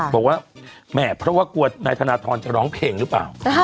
บอกว่าแหม่เพราะว่ากลัวนายธนทรจะร้องเพลงหรือเปล่า